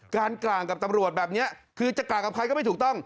กลางกับตำรวจแบบนี้คือจะกล่างกับใครก็ไม่ถูกต้อง